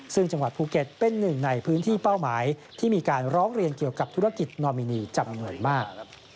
ซึ่งจังหวัดภูเก็ตเป็นหนึ่งในพื้นที่เป้าหมายที่มีการร้องเรียนเกี่ยวกับธุรกิจนอมินีจำนวนมาก